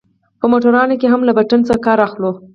په موټرانو کښې هم له پټن څخه کار اخلو.